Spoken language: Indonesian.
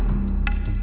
makasih banyak ya mon ya